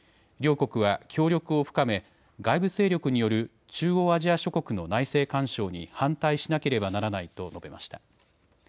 両国は協力を深め外部勢力による中央アジア諸国の内政干渉に反対しなければならないと述べました。